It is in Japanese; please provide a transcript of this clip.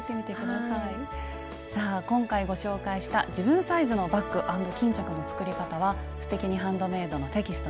さあ今回ご紹介した「自分サイズのバッグ＆巾着」の作り方は「すてきにハンドメイド」のテキスト